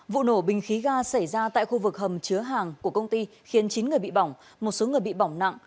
vụ nổ bình khí ga xảy ra tại khu vực hầm chứa hàng của công ty khiến chín người bị bỏng một số người bị bỏng nặng